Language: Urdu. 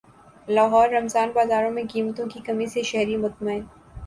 لاہور رمضان بازاروں میں قیمتوں کی کمی سے شہری مطمئین